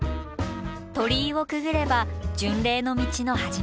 鳥居をくぐれば巡礼の道の始まり。